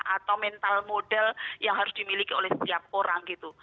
atau mental model yang harus dimiliki oleh setiap orang gitu